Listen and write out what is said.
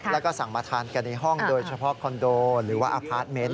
แล้วก็สั่งมาทานกันในห้องโดยเฉพาะคอนโดหรือว่าอพาร์ทเมนต์